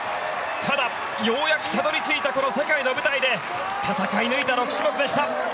ただ、ようやくたどり着いた世界の舞台で戦い抜いた６種目でした。